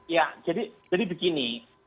ya jadi begini